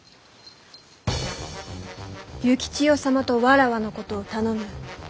幸千代様とわらわのことを頼む。